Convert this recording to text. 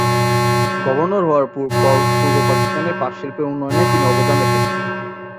Governor হওয়ার পর পূর্ব পাকিস্তানের পাট শিল্পের উন্নয়নে তিনি অবদান রেখেছেন।